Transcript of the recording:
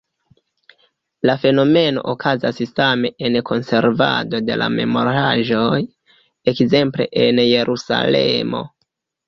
La fenomeno okazas same en konservado de la memoraĵoj, ekzemple en Jerusalemo.